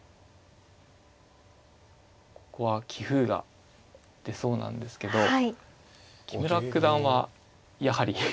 ここは棋風が出そうなんですけど木村九段はやはり。